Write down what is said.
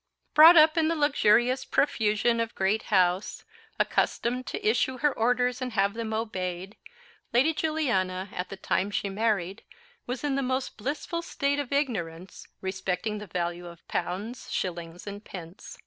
Brought up in the luxurious profusion of great house; accustomed to issue her orders and have them obeyed, Lady Juliana, at the time she married, was in the most blissful state of ignorance respecting the value of pounds, shillings, and pence.